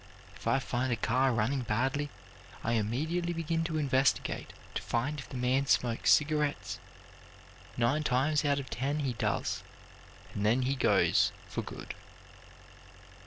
If I find a car running badly, I immediately begin to investigate to find if the man smokes cigarettes. Nine times out of ten he does, and then he goes, for good."